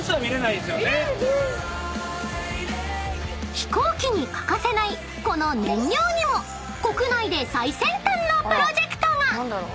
［飛行機に欠かせないこの燃料にも国内で最先端のプロジェクトが］